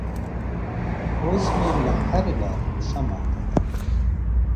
o اوس مي له هري لاري پښه ماته ده.